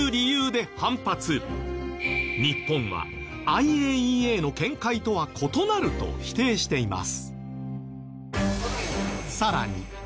日本はＩＡＥＡの見解とは異なると否定しています。